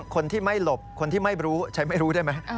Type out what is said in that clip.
คนที่ไม่หลบคนที่ไม่รู้ฉันไม่รู้ได้ไหม